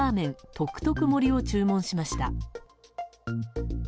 特特盛を注文しました。